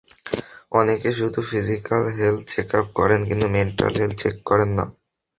অনেকে শুধু physical health checkup করেন কিন্তু মেন্টাল হেলথ চেক করেন না।